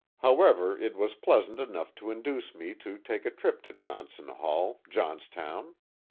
However, it was pleasant enough to induce me to take a trip to Johnson Hall, Johnstown.